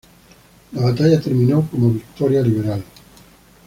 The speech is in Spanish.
La batalla terminó como victoria liberal.